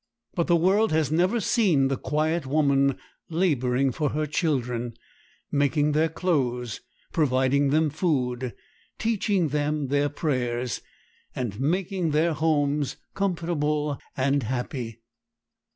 But the world has never seen the quiet woman laboring for her children, making their clothes, providing them food, teaching them their prayers, and making their homes comfortable and happy.